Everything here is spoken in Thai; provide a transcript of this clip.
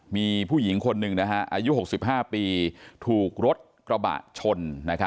มีผู้หญิงคนนึงอายุหกสิบห้าปีถูกรถกระบะชน